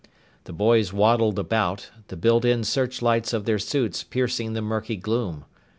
The boys waddled about, the built in searchlights of their suits piercing the murky gloom.